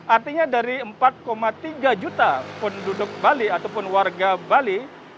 artinya dari empat tiga juta penduduk bali ataupun warga bali